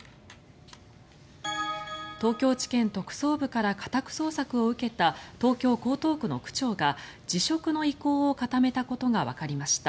東京地検特捜部から家宅捜索を受けた東京・江東区の区長が辞職の意向を固めたことがわかりました。